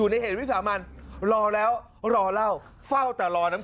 หาวหาวหาวหาวหาวหาวหาวหาวหาว